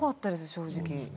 正直